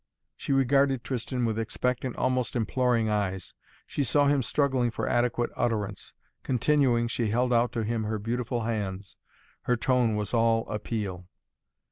She regarded Tristan with expectant, almost imploring eyes. She saw him struggling for adequate utterance. Continuing, she held out to him her beautiful hands. Her tone was all appeal.